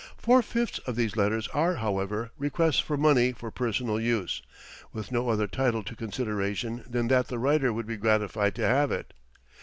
Four fifths of these letters are, however, requests for money for personal use, with no other title to consideration than that the writer would be gratified to have it.